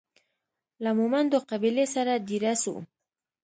له مومندو قبیلې سره دېره سو.